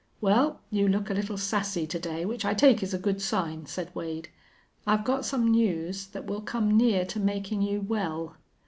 "Well, you look a little sassy to day, which I take is a good sign," said Wade. "I've got some news that will come near to makin' you well."